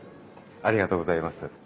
ありがとうございます。